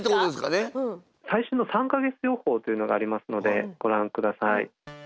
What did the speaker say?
最新の３か月予報というのがありますのでご覧ください。